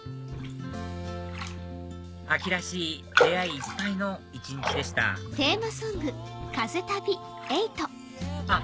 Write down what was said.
秋らしい出会いいっぱいの一日でしたあっ